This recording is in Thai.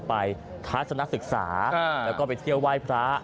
ไปค้าสนับศึกษาแล้วก็ไปเที่ยวไว้พระ